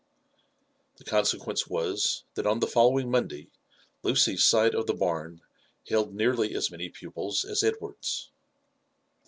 Tho consequence was, that on the following Monday Lucy's side of the barn held nearly as many pupils as Edward's.